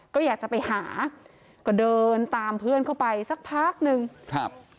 ก็อยากจะไปหาก็เดินตามเพื่อนเข้าไปสักพักหนึ่งครับ